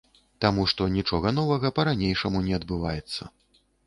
Таму што нічога новага па-ранейшаму не адбываецца.